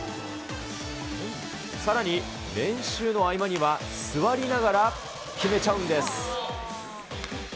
さらに練習の合間には座りながら決めちゃうんです。